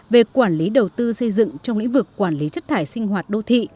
về quản lý đầu tư xây dựng trong lĩnh vực quản lý chất thải sinh hoạt đô thị